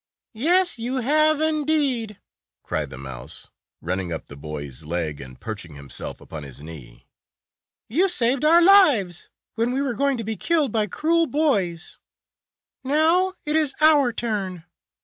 "Yes, you have, indeed!" cried the mouse, running up the boy's leg and perching himself upon his knee. "You saved our lives when we were going to be killed by cruel boys. Now it is our turn.